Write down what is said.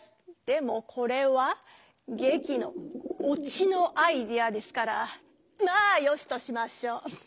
でもこれは劇の「落ち」のアイデアですからまあよしとしましょう。